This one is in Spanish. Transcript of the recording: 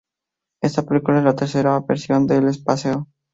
Esta película es la tercera versión de "El paseo".